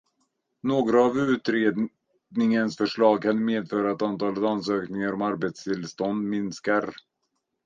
Några av utredningens förslag kan medföra att antalet ansökningar om arbetstillstånd minskar.